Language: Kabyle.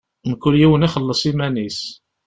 Mkul yiwen ixelleṣ iman-is.